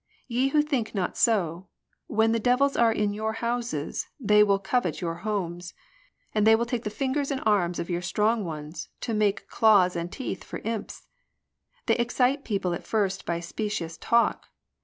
Ye who think not so, When the devils are in your houses They will covet your homes, And they will take the fingers and arms of your strong ones To make claws and teeth for imps. They excite people at first by specious talk.